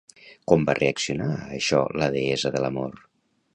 Com va reaccionar a això la deessa de l'amor?